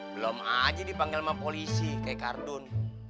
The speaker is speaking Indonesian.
belom aja dipanggil sama polisi kaya kardun